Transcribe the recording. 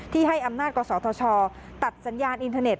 ให้อำนาจกศธชตัดสัญญาณอินเทอร์เน็